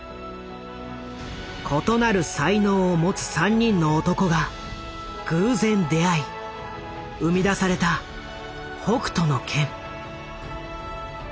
異なる才能を持つ３人の男が偶然出会い生み出された「北斗の拳」。